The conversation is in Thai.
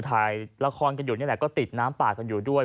ถ่ายละครกันอยู่นี่แหละก็ติดน้ำป่ากันอยู่ด้วย